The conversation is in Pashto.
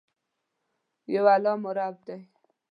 یو الله مو رب دي.